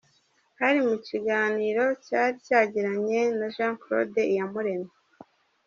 Hari mu kiganiro cyari cyagiranye na Jean Claude Iyamuremye.